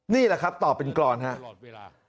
นี่แหละครับตอบเป็นกรอนครับ